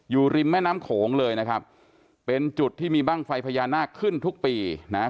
อยู่ริมแม่น้ำโขงเลยนะครับเป็นจุดที่มีบ้างไฟพญานาคขึ้นทุกปีนะฮะ